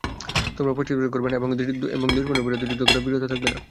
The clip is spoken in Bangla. তোমরা পশ্চাদপসরণ করবে না এবং দুশমনের বিরুদ্ধে যুদ্ধ করা হতে বিরত থাকবে না।